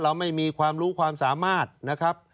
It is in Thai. เราไม่มีความรู้ความสามารถนะครับ